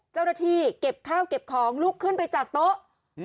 เจ้าหน้าที่เก็บข้าวเก็บของลุกขึ้นไปจากโต๊ะ